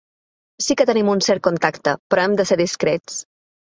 Sí que tenim un cert contacte, però hem de ser discrets.